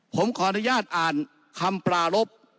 ผมขออนุญาตอ่านคำปรารบ